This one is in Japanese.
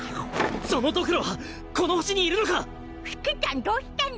そのドクロはこの星にいるのか⁉シキちゃんどうしたの？